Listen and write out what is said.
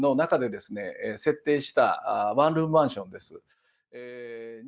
設定したワンルームマンションです。